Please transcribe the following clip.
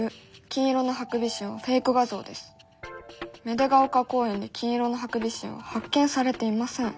芽出ヶ丘公園で金色のハクビシンは発見されていません」。